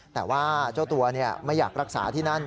แต่ว่าเจ้าตัวไม่อยากรักษาที่นั่น